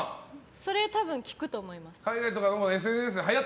それは多分効くと思います。